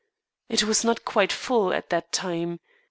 It was not quite full, at that time.